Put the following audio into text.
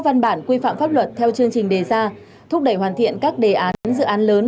văn bản quy phạm pháp luật theo chương trình đề ra thúc đẩy hoàn thiện các đề án dự án lớn